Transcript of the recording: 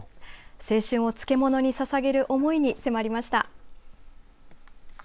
青春を漬物にささげる思いに迫りました。